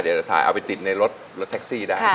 เอาไปติดในรถแท็กซี่ได้